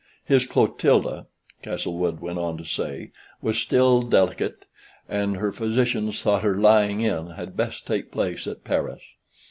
His "Clotilda," Castlewood went on to say, "was still delicate, and her physicians thought her lying in had best take place at Paris.